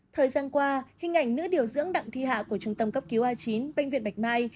thời gian qua hình ảnh nữ điều dưỡng đặng thi hạ của trung tâm cấp cứu a chín bệnh viện bạch mai